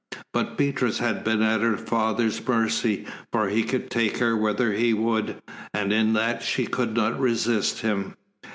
But Beatrice had been at her father's mercy, for he could take her whither he would, and in that she could not resist him.